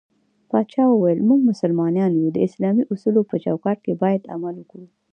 پاچا وويل: موږ مسلمانان يو د اسلامي اصولو په چوکات کې بايد عمل وکړو.